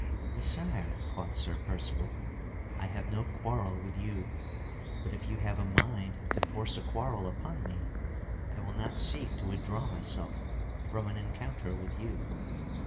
"Messire," quoth Sir Percival, "I have no quarrel with you, but if you have a mind to force a quarrel upon me, I will not seek to withdraw myself from an encounter with you.